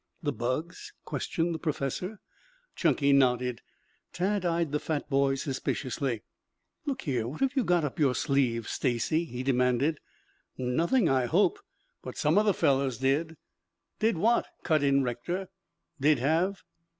"The bugs?" questioned the professor. Chunky nodded. Tad eyed the fat boy suspiciously. "Look here, what have you got up your sleeve, Stacy?" he demanded. "Nothing, I hope. But some of the fellows did." "Did what?" cut in Rector. "Did have."